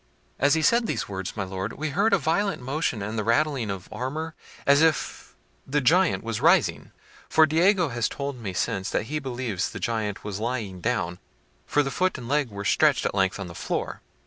As he said these words, my Lord, we heard a violent motion and the rattling of armour, as if the giant was rising, for Diego has told me since that he believes the giant was lying down, for the foot and leg were stretched at length on the floor.